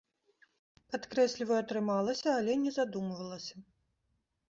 Падкрэсліваю, атрымалася, але не задумвалася!